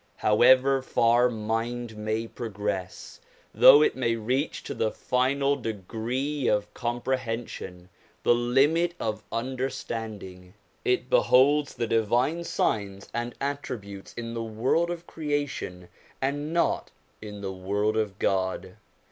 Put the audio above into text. However far mind may progress, though it may reach to the final degree of comprehension, the limit of understanding, it beholds the divine signs andj attributes in the world of creation, and not in the' world of God.